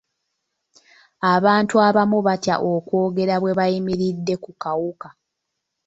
Abantu abamu batya okwogera bwe bayimiridde ku kawuka.